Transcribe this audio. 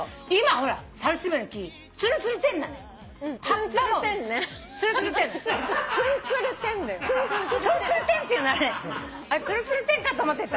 あれつるつるてんかと思ってた。